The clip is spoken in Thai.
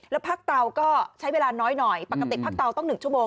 แล้วพักเตาก็ใช้เวลาน้อยปกติพักเตาต้องหนึ่งชั่วโมง